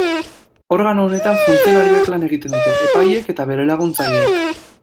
Organo honetan funtzionarioek lan egiten dute, epaileek eta bere laguntzaileek.